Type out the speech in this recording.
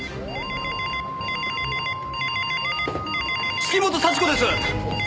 月本幸子です！